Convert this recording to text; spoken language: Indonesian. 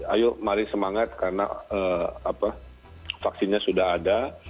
ayo mari semangat karena vaksinnya sudah ada